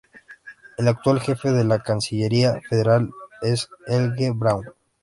El actual jefe de la Cancillería Federal es Helge Braun.